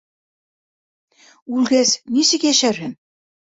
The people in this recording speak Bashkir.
Үлгәс... нисек йәшәрһең?